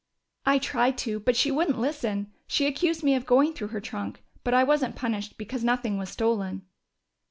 "I tried to. But she wouldn't listen. She accused me of going through her trunk. But I wasn't punished, because nothing was stolen."